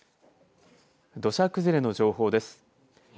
土砂崩れの情報です。